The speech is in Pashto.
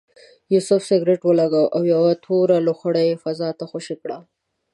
یوسف سګرټ ولګاوه او یوه توره لوخړه یې فضا ته خوشې کړه.